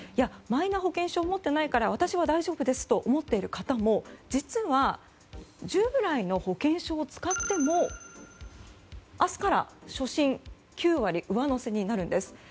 マイナ保険証を持ってないから私は大丈夫ですと思っている方も実は、従来の保険証を使っても明日から初診９割上乗せになるんです